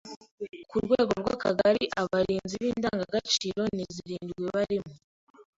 Ku rwego rw’Akagari abarinzi b’indangagaciro ni zrindwi barimo